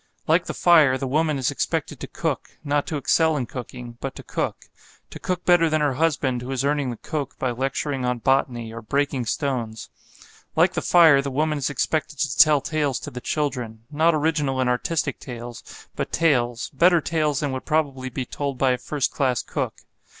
Like the fire, the woman is expected to cook: not to excel in cooking, but to cook; to cook better than her husband who is earning the coke by lecturing on botany or breaking stones. Like the fire, the woman is expected to tell tales to the children, not original and artistic tales, but tales better tales than would probably be told by a first class cook.